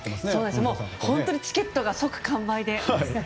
本当にチケットが即完売で。